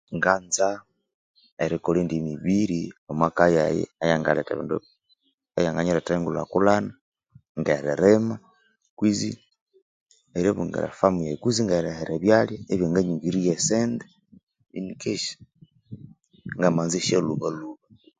Nganza erikolha eyindi emibiri omwaka yayi eyangaleka ebindu eyanganyirethera engulhakulhana nge ririma kwizi eribungira efamu yayi kwizi ngerihera ebyalya ebyanganyingirirya esente inikesi ngamanza esyalhubalhuba